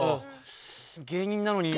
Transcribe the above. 芸人なのに。